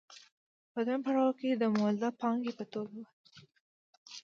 په دویم پړاو کې د مولده پانګې په توګه وه